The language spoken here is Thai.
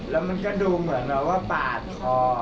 แล้วมันก็ดูเหมือนแบบว่าปาดคอ